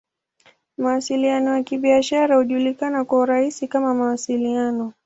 Mawasiliano ya Kibiashara hujulikana kwa urahisi kama "Mawasiliano.